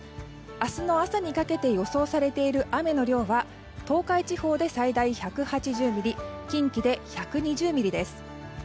明日の朝にかけて予想されている雨の量は東海地方で最大１８０ミリ近畿で１２０ミリです。